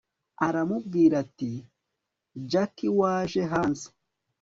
aramubwira ati jakc waje hanze